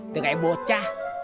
gak kayak bocah